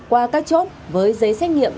qua các chốt với giấy xét nghiệm